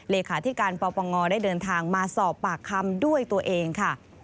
เลขาธิการปปงได้เดินทางมาสอบปากคำด้วยตัวเองค่ะ